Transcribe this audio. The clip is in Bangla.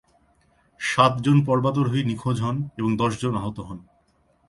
সাতজন পর্বতারোহী নিখোঁজ হন এবং দশজন আহত হন।